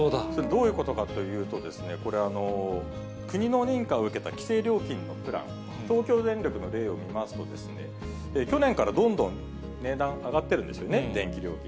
どういうことかというと、これ、国の認可を受けた規制料金のプラン、東京電力の例を見ますと、去年からどんどん値段上がってるんですよね、電気料金。